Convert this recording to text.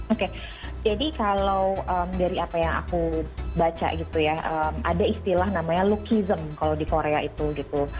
oke jadi kalau dari apa yang aku baca gitu ya ada istilah namanya lookiesm kalau di korea itu gitu